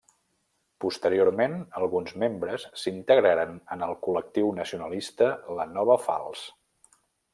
Posteriorment alguns membres s'integraren en el Col·lectiu Nacionalista la Nova Falç.